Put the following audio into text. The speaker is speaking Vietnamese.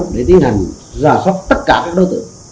để tiến hành ra sốc tất cả các đối tượng